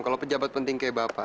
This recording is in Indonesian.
kalau pejabat penting kayak bapak